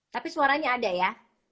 tapi suaranya ada ya